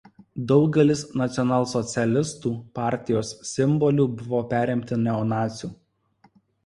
Daugelis nacionalsocialistų partijos simbolių buvo perimti neonacių.